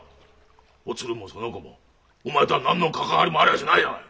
おつるもその子もお前とは何の関わりもありゃしないじゃないか！